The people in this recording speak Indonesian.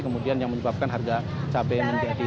kemudian yang menyebabkan harga cabai menjadi